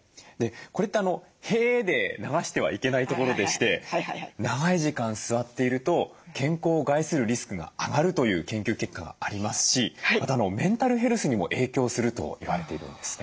これってへえで流してはいけないところでして長い時間座っていると健康を害するリスクが上がるという研究結果がありますしまたメンタルヘルスにも影響すると言われているんですね。